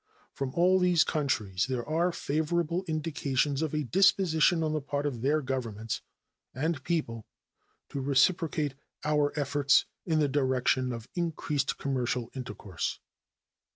From all these countries there are favorable indications of a disposition on the part of their Governments and people to reciprocate our efforts in the direction of increased commercial intercourse.